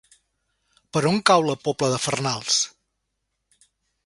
Per on cau la Pobla de Farnals?